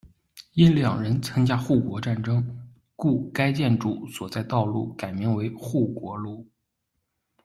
因两人参加护国战争，故该建筑所在道路改名为“护国路”。